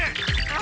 あ。